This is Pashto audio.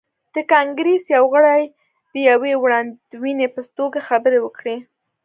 د کانګریس یو غړي د یوې وړاندوینې په توګه خبرې وکړې.